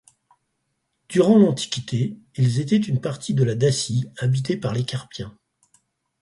Durant l'antiquité, ils étaient une partie de la Dacie, habitée par les Carpiens.